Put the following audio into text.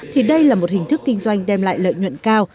thì đây là một hình thức kinh doanh đem lại lợi nhuận cao